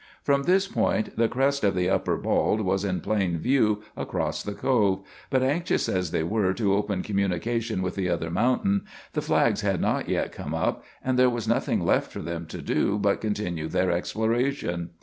From this point the crest of the Upper Bald was in plain view across the Cove, but, anxious as they were to open communication with the other mountain, the flags had not yet come up, and there was nothing left for them to do but continue their exploration.